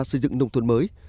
xây dựng nông thuận mới